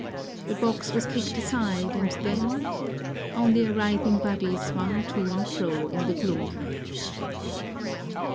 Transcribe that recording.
The box was kicked aside, and then only a writhing body swung to and fro in the gloom.